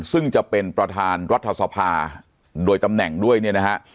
ซึ่งจะเป็นประธานรัฐสภาโดยตำแหน่งด้วยเนี่ยนะฮะ